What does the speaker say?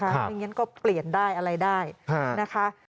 เพราะอย่างนี้ก็เปลี่ยนได้อะไรได้นะคะ